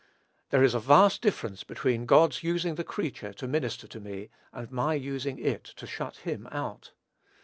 There is a vast difference between God's using the creature to minister to me, and my using it to shut him out.